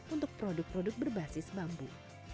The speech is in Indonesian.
untuk produk produk berbasis bambu